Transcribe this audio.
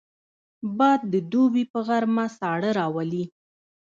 باد د دوبي په غرمه ساړه راولي